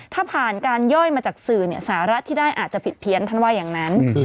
ถ้าผ่านการย่อยมาจากสื่อสาระที่ได้อาจจะผิดเพี้ยนท่านว่าอย่างนั้น